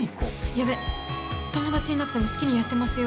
やべ友達いなくても好きにやってますよ